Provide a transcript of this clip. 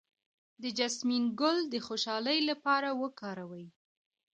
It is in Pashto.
د جیسمین ګل د خوشحالۍ لپاره وکاروئ